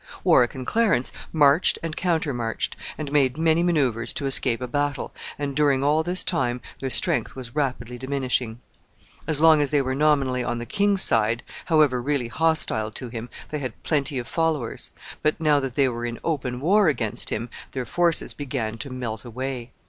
Warwick and Clarence marched and countermarched, and made many manoeuvres to escape a battle, and during all this time their strength was rapidly diminishing. As long as they were nominally on the king's side, however really hostile to him, they had plenty of followers; but, now that they were in open war against him, their forces began to melt away.